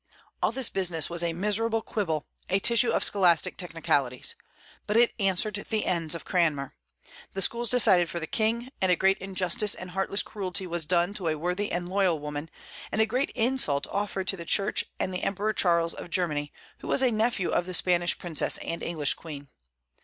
All this business was a miserable quibble, a tissue of scholastic technicalities. But it answered the ends of Cranmer. The schools decided for the King, and a great injustice and heartless cruelty was done to a worthy and loyal woman, and a great insult offered to the Church and to the Emperor Charles of Germany, who was a nephew of the Spanish Princess and English Queen.